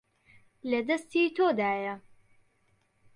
لە دەستی تۆدایە.